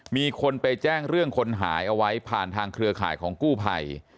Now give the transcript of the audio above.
มีคนไปแจ้งเรื่องคนหายเอาไว้ผ่านทางเครือข่ายของกู้ภัย